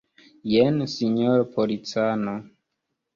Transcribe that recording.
Jen, sinjoro policano.